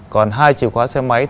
còn hai chìa khóa xe máy